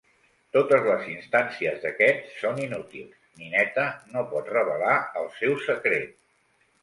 Totes les instàncies d'aquest són inútils, Nineta no pot revelar el seu secret.